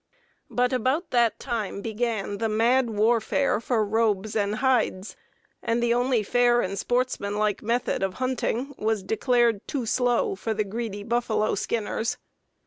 But about that time began the mad warfare for "robes" and "hides," and the only fair and sportsmanlike method of hunting was declared too slow for the greedy buffalo skinners.